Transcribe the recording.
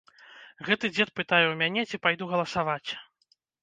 Гэты дзед пытае ў мяне, ці пайду галасаваць.